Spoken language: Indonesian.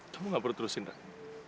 kamu gak perlu terusin kak